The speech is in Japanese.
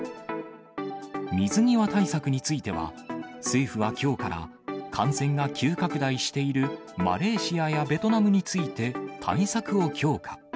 水際対策については、政府はきょうから、感染が急拡大しているマレーシアやベトナムについて、対策を強化。